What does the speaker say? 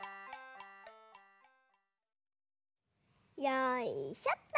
よいしょっと。